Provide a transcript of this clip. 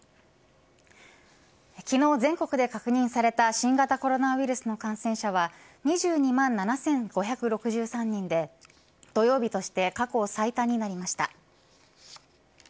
昨日、全国で確認された新型コロナウイルスの感染者は２２万７５６３人で土曜日として過去最多になりました。